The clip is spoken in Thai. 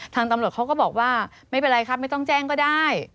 ทางตำรวจเขาก็บอกว่าไม่เป็นไรครับไม่ต้องแจ้งก็ได้